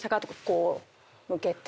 こう向けて。